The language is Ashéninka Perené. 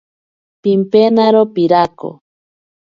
Pimpenaro pirako.